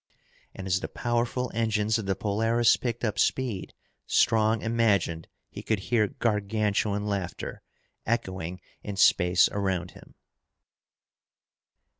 And as the powerful engines of the Polaris picked up speed, Strong imagined he could hear Gargantuan laughter echoing in space around him.